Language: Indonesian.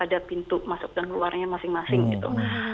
ada pintu masuk dan keluarnya masing masing gitu